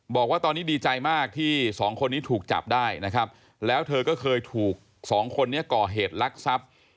บอกว่าตอนนี้ดีใจมากที่สองคนนี้ถูกจับได้นะครับแล้วเธอก็เคยถูกสองคนนี้ก่อเหตุลักษัพ